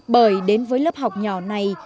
bởi đến với lớp học nhỏ này